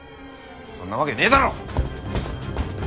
そんなわけねぇだろ！